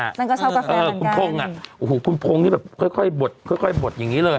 นั่นก็เช่ากาแฟเหมือนกันคุณพงอ่ะคุณพงที่แบบค่อยบดอย่างนี้เลย